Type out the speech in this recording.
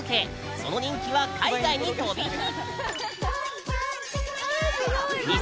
その人気は海外に飛び火！